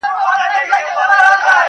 • د غوايي په څېر مي غټي پښې لرلای -